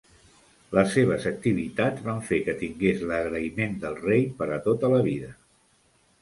Les seves activitats van fer que tingués l'agraïment del rei per a tota la vida.